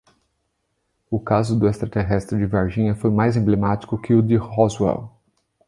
O caso do extraterrestre de Varginha foi mais emblemático que o de Roswell